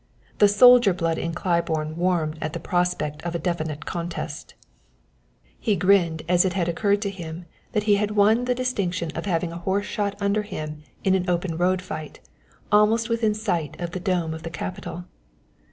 The soldier blood in Claiborne warmed at the prospect of a definite contest. He grinned as it occurred to him that he had won the distinction of having a horse shot under him in an open road fight, almost within sight of the dome of the Capitol.